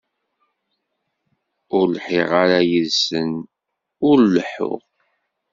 Ur lḥiɣ ara yid-sen ur leḥḥuɣ.